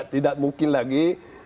tidak mungkin lagi